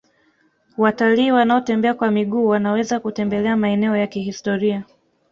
watalii wanaotembea kwa miguu wanaweza kutembelea maeneo ya kihistoria